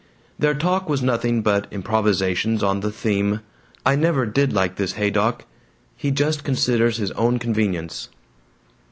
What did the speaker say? Their talk was nothing but improvisations on the theme: "I never did like this Haydock. He just considers his own convenience."